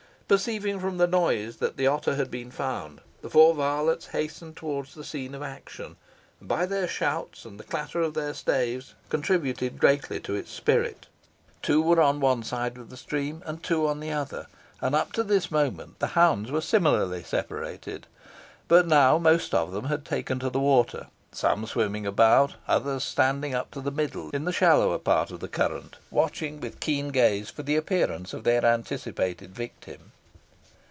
Perceiving from the noise that the otter had been found, the four varlets hastened towards the scene of action, and, by their shouts and the clatter of their staves, contributed greatly to its spirit. Two were on one side of the stream, and two on the other, and up to this moment the hounds were similarly separated; but now most of them had taken to the water, some swimming about, others standing up to the middle in the shallower part of the current, watching with keen gaze for the appearance of their anticipated victim.